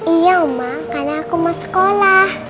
iya ombak karena aku mau sekolah